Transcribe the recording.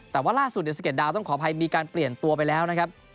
แต่ว่าล่าสุดสะเด็ดดาวต้องขออภัยมีการเปลี่ยนตัวไปแล้วนะครับ